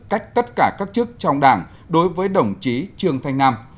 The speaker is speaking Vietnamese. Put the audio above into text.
cách tất cả các chức trong đảng đối với đồng chí trương thanh nam